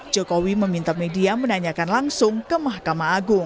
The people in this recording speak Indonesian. jokowi meminta media menanyakan langsung ke mahkamah agung